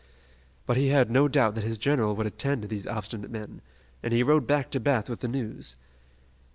But he had no doubt that his general would attend to these obstinate men, and he rode back to Bath with the news.